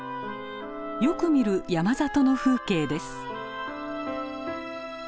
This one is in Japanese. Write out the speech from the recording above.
よく見る山里の風景です。